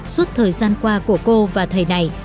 suốt thời gian qua của cô và thầy này